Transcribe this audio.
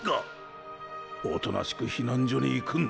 おとなしく避難所に行くんだ。